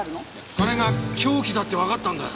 それが凶器だってわかったんだよ。